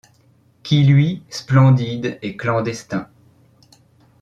Qui luit, splendide et clandestin